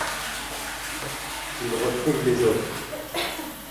Ils retrouvent les autres.